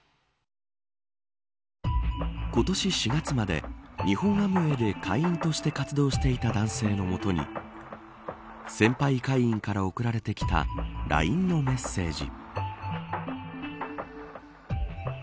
今年４月まで、日本アムウェイで会員として活動していた男性の元に先輩会員から送られてきたＬＩＮＥのメッセージ。